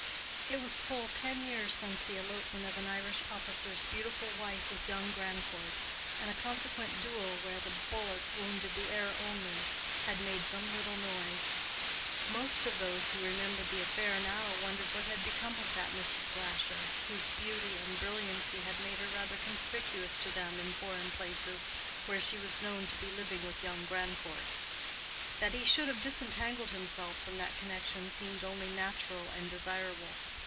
It was full ten years since the elopement of an Irish officer's beautiful wife with young Grandcourt, and a consequent duel where the bullets wounded the air only, had made some little noise. Most of those who remembered the affair now wondered what had become of that Mrs. Glasher, whose beauty and brilliancy had made her rather conspicuous to them in foreign places, where she was known to be living with young Grandcourt. That he should have disentangled himself from that connection seemed only natural and desirable.